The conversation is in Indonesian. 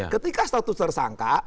ketika status tersangka